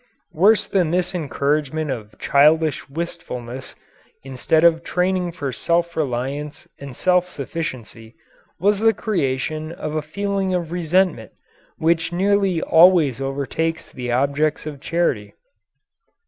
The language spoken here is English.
Worse than this encouragement of childish wistfulness, instead of training for self reliance and self sufficiency, was the creation of a feeling of resentment which nearly always overtakes the objects of charity.